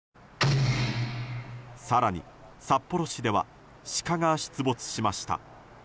更に札幌市ではシカが出没しました。